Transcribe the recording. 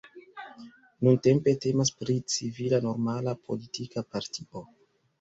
Nuntempe temas pri civila normala politika partio.